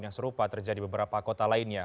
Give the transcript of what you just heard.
yang serupa terjadi beberapa kota lainnya